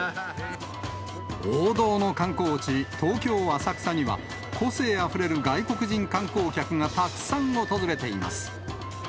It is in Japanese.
王道の観光地、東京・浅草には、個性あふれる外国人観光客がたくさん訪れています。